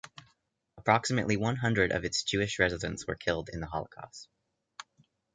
Approximately one hundred of its Jewish residents were killed in the Holocaust.